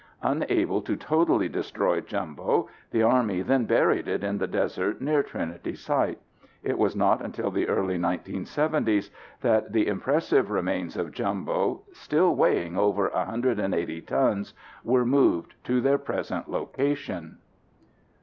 Unable to totally destroy Jumbo, the Army then buried it in the desert near Trinity Site. It was not until the early 1970s that the impressive remains of Jumbo, still weighing over 180 tons, were moved to their present location.